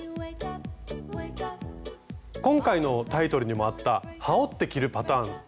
今回のタイトルにもあったはおって着るパターン。